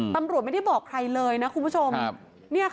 ตำรวจไม่ได้บอกใครเลยนะคุณผู้ชม